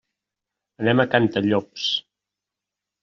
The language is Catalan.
Anem a Cantallops.